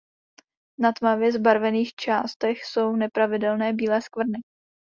Na tmavě zbarvených částech jsou nepravidelné bílé skvrny.